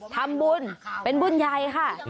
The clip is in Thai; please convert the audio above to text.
ทำบุญเป็นบุญใหญ่ค่ะ